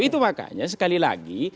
itu makanya sekali lagi